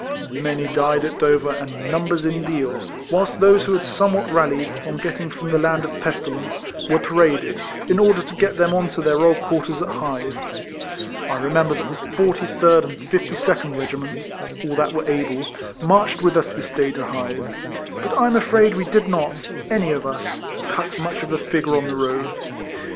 Many died at Dover and numbers in Deal; whilst those who had somewhat rallied, on getting from the land of pesti lence, were paraded, in order to get them on to their old quarters at Hythe. I remember that the 43 rd and 52nd Kegiments (all that were able) marched with us this day to Hythe ; but I'm afraid we did not (any of us) cut much of a figure on the road.